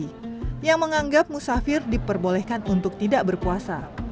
yang kedua adalah yang menganggap puasa bagi musafir diperbolehkan untuk tidak berpuasa